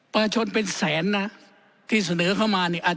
ประชนเป็นแสนนะที่เสนอเข้ามา